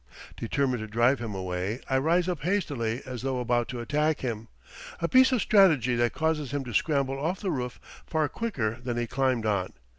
Determined to drive him away, I rise up hastily as though about to attack him, a piece of strategy that causes him to scramble off the roof far quicker than he climbed on.